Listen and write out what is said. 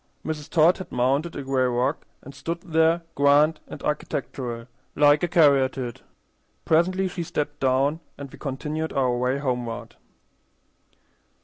Mrs. Todd had mounted a gray rock, and stood there grand and architectural, like a caryatide. Presently she stepped down, and we continued our way homeward.